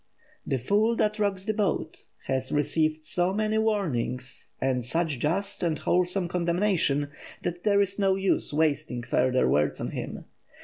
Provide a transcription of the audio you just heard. "The fool that rocks the boat" has received so many warnings and such just and wholesome condemnation that there is no use wasting further words on him.